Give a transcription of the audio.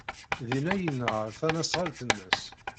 Din ay yenheṛ tasnasɣalt-nnes.